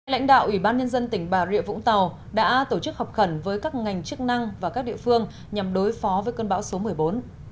lãnh đạo ủy ban nhân dân tỉnh bà rịa vũng tàu đã tổ chức học khẩn với các ngành chức năng và các địa phương nhằm đối phó với cơn bão số một mươi bốn